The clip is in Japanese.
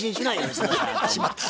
しまった。